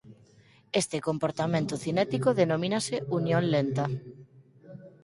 Este comportamento cinético denomínase unión lenta.